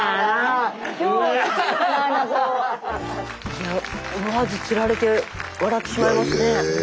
いや思わずつられて笑ってしまいますね。